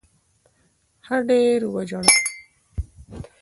ښه ډېر وژړل.